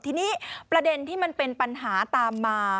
ทีนี้ประเด็นที่มันเป็นปัญหาตามมา